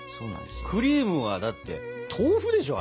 クリームはだって豆腐でしょ？